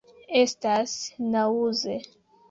Estas naŭze.